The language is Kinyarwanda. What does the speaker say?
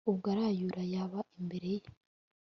Ubwo arayura yaba imbere ye